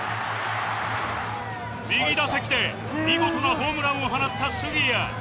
右打席で見事なホームランを放った杉谷